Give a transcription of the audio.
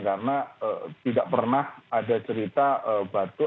karena tidak pernah ada cerita batu